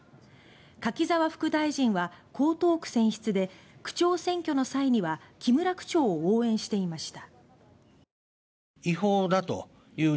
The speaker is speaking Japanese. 柿沢副大臣は江東区選出で区長選挙の際には木村区長を応援していました。